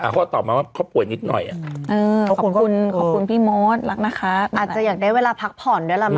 ขอบคุณขอบคุณพี่มศรักนะคะอาจจะอยากได้เวลาพักผ่อนด้วยล่ะมั้ง